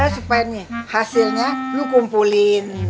supaya hasilnya lu kumpulin